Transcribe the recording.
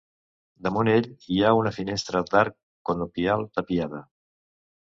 Damunt ell hi ha una finestra d'arc conopial tapiada.